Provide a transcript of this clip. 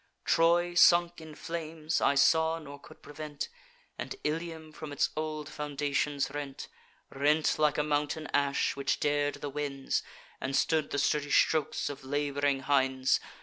Troy sunk in flames I saw, nor could prevent; And Ilium from its old foundations rent; Rent like a mountain ash, which dar'd the winds, And stood the sturdy strokes of lab'ring hinds.